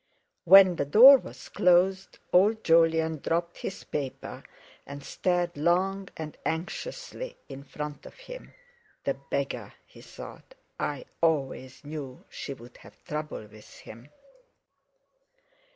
When the door was closed, old Jolyon dropped his paper, and stared long and anxiously in front of him. "The beggar!" he thought. "I always knew she'd have trouble with him!"